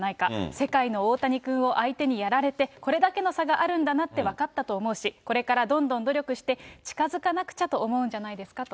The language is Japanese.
世界の大谷君を相手にやられて、これだけの差があるんだなって分かったと思うし、これからどんどん努力して、近づかなくちゃと思うんじゃないですかと。